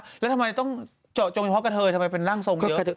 หรือทำไมจะต้องใจโดยควบคุณทำไมเป็นร่างทรงเยอะ